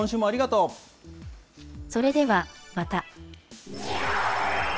それでは、また。